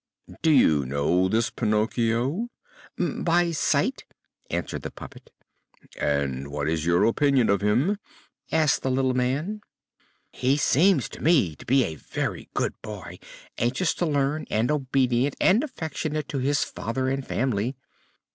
"Do you know this Pinocchio?" "By sight!" answered the puppet. "And what is your opinion of him?" asked the little man. "He seems to me to be a very good boy, anxious to learn, and obedient and affectionate to his father and family."